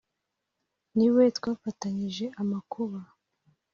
Ni we twafatanije amakuba